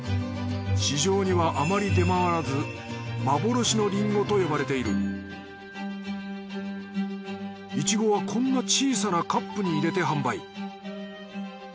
市場にはあまり出回らず幻のリンゴと呼ばれているいちごはこんな小さなカップに入れて販売